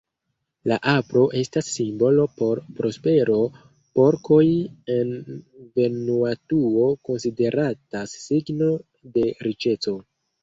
La apro estas simbolo por prospero, porkoj en Vanuatuo konsideratas signo de riĉeco.